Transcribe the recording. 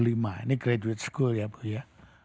ini credit school ya bu ya